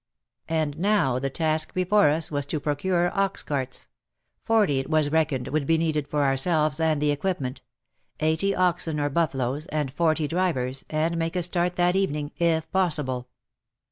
And now the task before us was to procure ox carts — forty it was reckoned would be needed for ourselves and the equipment — eighty oxen or buffaloes, and forty drivers, and make a start that evening if possible.